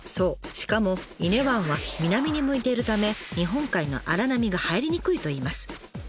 しかも伊根湾は南に向いているため日本海の荒波が入りにくいといいます。